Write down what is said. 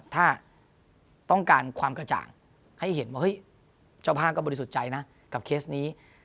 ถ้าต้องการความกระจ่างให้เห็นว่าเฮ้ยเจ้าภาพก็บริสุทธิ์ใจนะกับเคสนี้